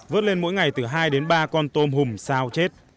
vớt lên mỗi ngày từ hai đến ba con tôm hùm sao chết